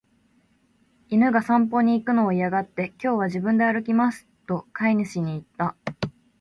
犬が散歩に行くのを嫌がって、「今日は自分で歩きます」と飼い主に言った。